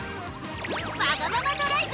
「わがままドライブ！